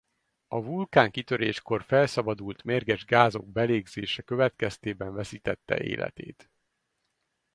A vulkánkitöréskor felszabadult mérges gázok belégzése következtében veszítette életét.